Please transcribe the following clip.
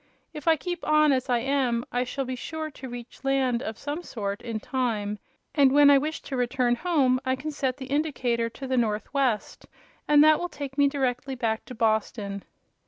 If I keep on as I am I shall be sure to reach land of some sort, in time, and when I wish to return home I can set the indicator to the northwest and that will take me directly back to Boston."